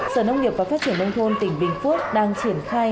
sở nông nghiệp và phát triển nông thôn tỉnh bình phước đang triển khai